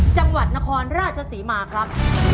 จังหวัดนครราชศรีมาครับ